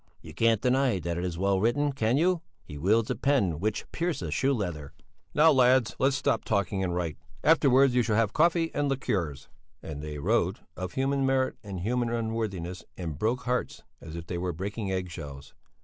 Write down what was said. "You can't deny that it is well written. Can you? He wields a pen which pierces shoe leather." "Now, lads, stop talking and write; afterwards you shall have coffee and liqueurs." And they wrote of human merit and human unworthiness and broke hearts as if they were breaking egg shells.